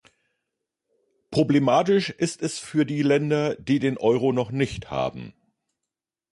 Problematisch ist es für die Länder, die den Euro noch nicht haben.